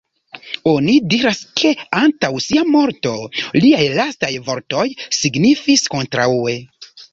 Oni diras, ke antaŭ sia morto, liaj lastaj vortoj signifis "Kontraŭe".